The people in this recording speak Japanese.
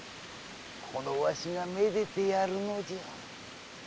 このわしが愛でてやるのじゃ。